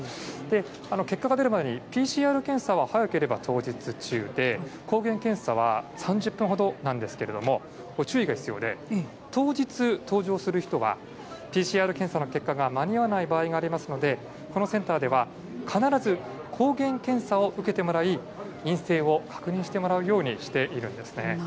結果が出るまでにＰＣＲ検査は早ければ当日中で、抗原検査は３０分ほどなんですけれども、注意が必要で、当日、搭乗する人はＰＣＲ検査の結果が間に合わない場合がありますので、このセンターでは必ず抗原検査を受けてもらい、陰性を確認してもらうようにしているんですね。